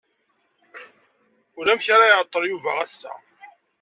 Ulamek ara iɛeṭṭel Yuba ass-a.